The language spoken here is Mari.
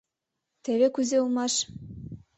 Теве кузе улмаш...